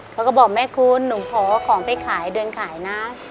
เขาก็บอกแม่คุณหนูขอของไปขายเดินขายนะ